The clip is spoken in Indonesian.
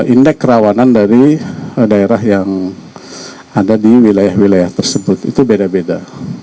indeks kerawanan dari daerah yang ada di wilayah wilayah tersebut itu beda beda